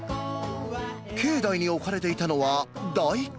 境内に置かれていたのは、大根。